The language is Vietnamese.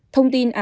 thông tin á khôi